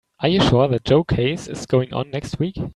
Are you sure that Joe case is going on next week?